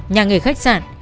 nhà nghề khách sạn